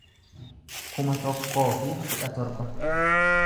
kuma tokkoo fi kudha torba